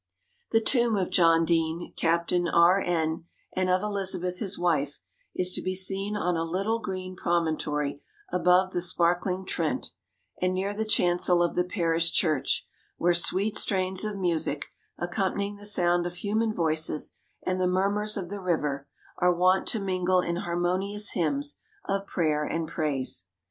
The tomb of John Deane, Captain RN, and of Elizabeth his wife, is to be seen on a little green promontory above the sparkling Trent and near the chancel of the parish church, where sweet strains of music, accompanying the sound of human voices and the murmurs of the river, are wont to mingle in harmonious hymns of prayer and praise.